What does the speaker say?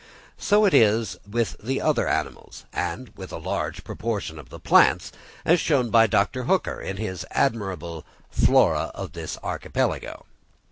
So it is with the other animals, and with a large proportion of the plants, as shown by Dr. Hooker in his admirable Flora of this archipelago.